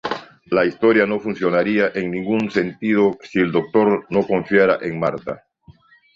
La historia no funcionaría en ningún sentido si el Doctor no confiara en Martha".